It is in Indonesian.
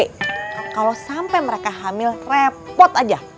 kalau sampai mereka hamil repot aja